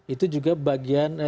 itu juga bagian